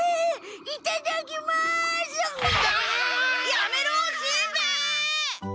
やめろしんべヱ！